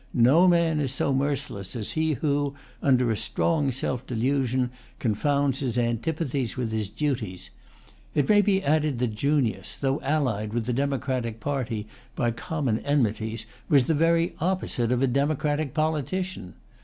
No man is so merciless as he who, under a strong self delusion, confounds his antipathies with his duties. It may be[Pg 147] added that Junius, though allied with the democratic party by common enmities, was the very opposite of a democratic politician.